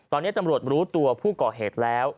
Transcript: ตอนนี้ตำรวจรู้ตัวผู้ก่อเหตุแล้ว